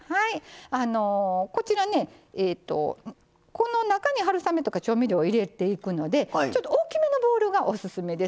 こちらねこの中に春雨とか調味料を入れていくのでちょっと大きめのボウルがオススメです。